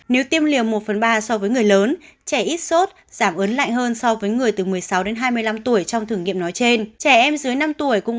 nếu tiêm liều một phần ba so với người lớn trẻ ít sốt giảm ớn lạnh hơn so với người từ một mươi sáu hai mươi năm tuổi trong thử nghiệm nói trên